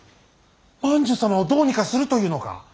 万寿様をどうにかするというのか。